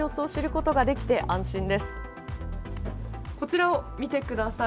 こちらを見てください。